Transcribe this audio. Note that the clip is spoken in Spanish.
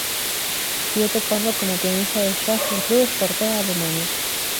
Siguió tocando como pianista de jazz en clubes por toda Alemania.